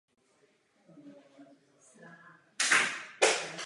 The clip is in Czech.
Většina úkolů je však originálních a výrazně těží ze zasazení do rozmanitých místností.